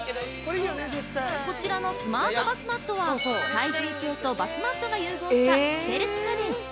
こちらのスマートバスマットは体重計とバスマットが融合したステルス家電。